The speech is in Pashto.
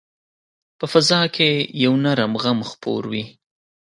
په فضا کې یو نرم غم خپور وي